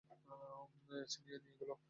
ছিনিয়ে নিয়ে গেল?